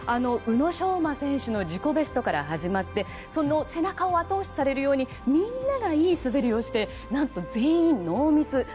宇野昌磨選手の自己ベストから始まってその背中を後押しされるようにみんながいい滑りをして何と全員ノーミス。